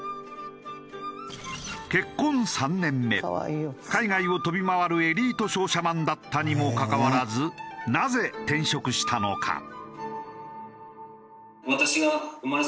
結婚３年目海外を飛び回るエリート商社マンだったにもかかわらずなぜ転職したのか？